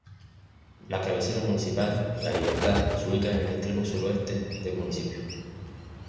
La cabecera municipal, La Libertad, se ubica al extremo suroeste del municipio.